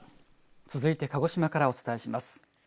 続いて鹿児島からお伝えします。